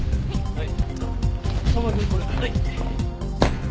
はい。